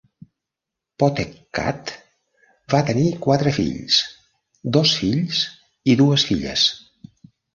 Pottekkatt va tenir quatre fills: dos fills i dues filles.